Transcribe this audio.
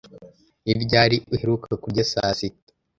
Ni ryari uheruka kurya saa sita?